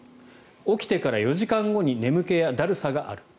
起きてから４時間後に眠気やだるさがある。